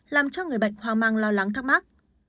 làm cho người bệnh hoang mang lo lắng thắc mắc